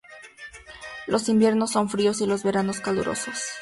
Los inviernos son fríos y los veranos calurosos.